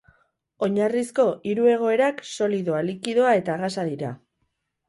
Oinarrizko hiru egoerak solidoa, likidoa eta gasa dira.